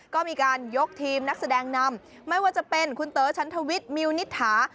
ก็มีการยกทีมนักแสดงนำไม่ว่าจะเป็นคุณเต๋อชั้นทวิทย์มิวนิษฐา